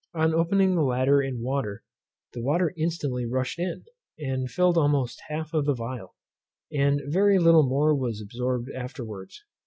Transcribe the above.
On opening the latter in water, the water instantly rushed in, and filled almost half of the phial, and very little more was absorbed afterwards.